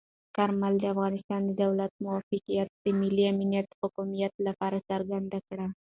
کارمل د افغانستان د دولت موقف د ملي امنیت او حاکمیت لپاره څرګند کړ.